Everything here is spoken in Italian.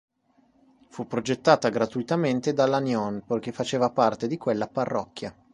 Fu progettata gratuitamente da Lanyon poiché faceva parte di quella parrocchia.